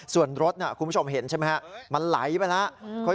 ส่วนรถคุณผู้ชมเห็นใช่ไหมครับมันไหลไปแล้ว